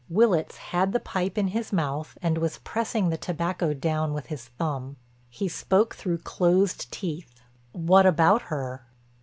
Willitts had the pipe in his mouth and was pressing the tobacco down with his thumb. He spoke through closed teeth: "What about her?"